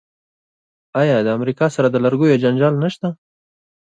آیا د امریکا سره د لرګیو جنجال نشته؟